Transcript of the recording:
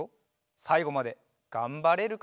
さいごまでがんばれるか？